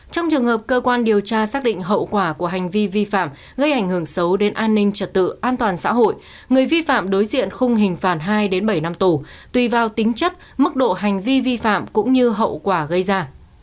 trong trường hợp cơ quan điều tra xác định hậu quả của hành vi vi phạm gây ảnh hưởng xấu đến an ninh trật tự an toàn xã hội người vi phạm đối diện khung hình phạt hai bảy năm tù tùy vào tính chất mức độ hành vi vi phạm cũng như hậu quả gây ra